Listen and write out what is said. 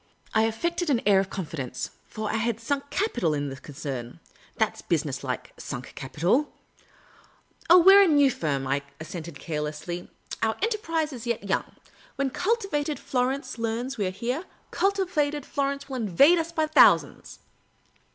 I affected an air of confidence — for I had sunk capital in the concern (that 's business like — sunk capital !)." Oh, we 're a new firm," I assented, carelessly. " Our enterprise is yet young. When cultivated Florence learns we 're here, cultivated Florence will invade us by thousands."